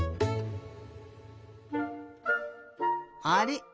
あれ？